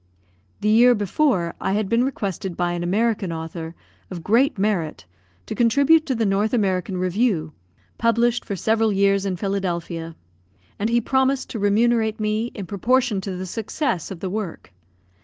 The year before, I had been requested by an American author, of great merit, to contribute to the North American Review, published for several years in Philadelphia; and he promised to remunerate me in proportion to the success of the work.